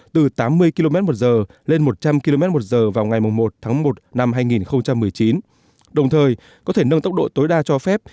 từ tám mươi km một giờ lên một trăm linh km một giờ vào ngày một tháng một năm hai nghìn một mươi chín đồng thời có thể nâng tốc độ tối đa cho phép